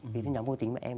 vì cái nhóm vô tính của em